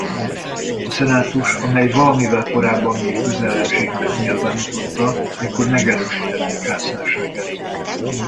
A szenátus amely valamivel korábban még közellenségnek nyilvánította ekkor megerősítette császárságát.